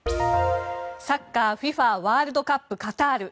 サッカーＦＩＦＡワールドカップカタール。